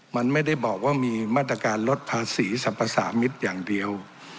มันไม่ได้บอกว่ามีมาตรการลดภาษีสรรพสามิตรอย่างเดียว